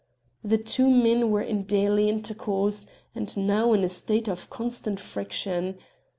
The two men were in daily intercourse, and now in a state of constant friction.